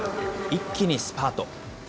一気にスパート。